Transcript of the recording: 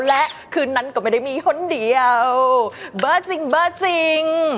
และคืนนั้นก็ไม่ได้มีคนเดียวเบอร์จริงเบอร์จริง